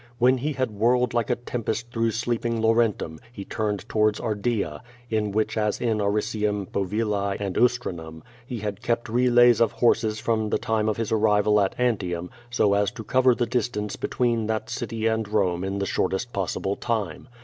When he had whirled like a tempest through slee])ing Tjaurentum, he turned towards Ardea, in which as in Aricium, Rovillae, and ITstrinum, he had kept relays of horses from the time of lii. ; arrival at Antium, so as to cover the distance between that city and Rome in the shortest possible time.